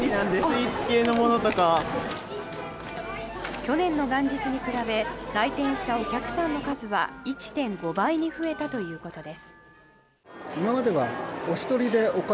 去年の元日に比べ来店したお客さんの数は１．５倍に増えたということです。